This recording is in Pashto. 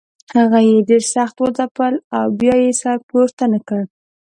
هغه یې ډېر سخت وځپل او بیا یې سر پورته نه کړ.